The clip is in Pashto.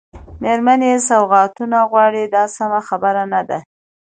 مېرمنې سوغاتونه غواړي دا سمه خبره نه ده.